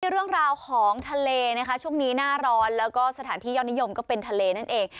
เรื่องราวของทะเลนะคะช่วงนี้หน้าร้อนแล้วก็สถานที่ยอดนิยมก็เป็นทะเลนั่นเอง